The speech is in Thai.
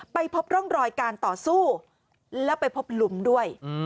ไปพบร่องรอยการต่อสู้แล้วไปพบหลุมด้วย